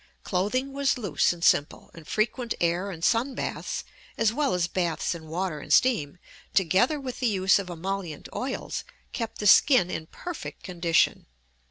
Clothing was loose and simple, and frequent air and sun baths, as well as baths in water and steam, together with the use of emollient oils, kept the skin in perfect condition.